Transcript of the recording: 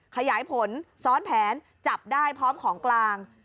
ขยายผลซ้อนแผนจับได้พร้อมของกลาง